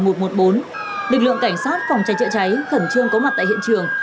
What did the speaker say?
lực lượng cảnh sát phòng cháy chữa cháy khẩn trương có mặt tại hiện trường